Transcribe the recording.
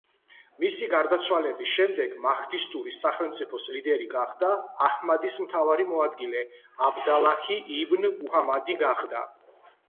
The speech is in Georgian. მისი გარდაცვალების შემდეგ მაჰდისტური სახელმწიფოს ლიდერი გახდა აჰმადის მთავარი მოადგილე აბდალაჰი იბნ მუჰამადი გახდა.